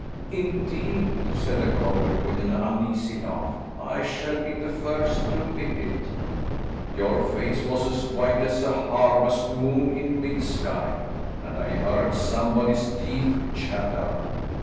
"Indeed," said the cobbler with an uneasy laugh, "I shall be the first to admit it." [Illustration: "HEADSMAN: DO YOUR DUTY."] "Your face was as white as a harvest moon in mid sky, and I heard somebody's teeth chatter.